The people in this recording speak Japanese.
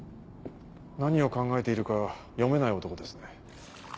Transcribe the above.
何を考えているか読めない男ですね。